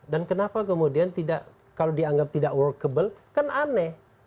dan kenapa kemudian tidak kalau dianggap tidak workable kan aneh